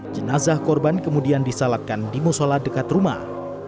jenazah korban kemudian disalatkan di musola dekat rumah